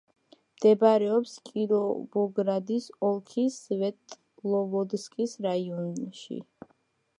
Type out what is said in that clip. მდებარეობს კიროვოგრადის ოლქის სვეტლოვოდსკის რაიონში.